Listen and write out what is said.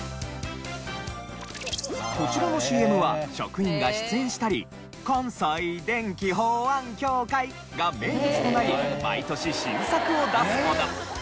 こちらのＣＭは職員が出演したり「関西電気保安協会」が名物となり毎年新作を出すほど。